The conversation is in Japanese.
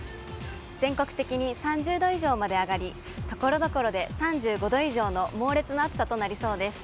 全国的に３０度以上まで上がり、ところどころで３５度以上の猛烈な暑さとなりそうです。